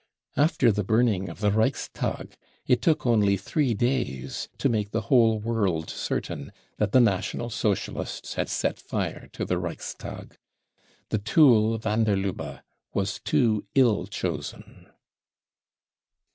After the burning of the Reichstag it took only three days to make the whole world certain that the National Socialists had set fire to the Reichstag. The tool van der LuJ>be was too ill chosen.